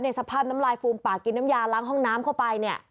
สภาพน้ำลายฟูมปากกินน้ำยาล้างห้องน้ำเข้าไปเนี่ย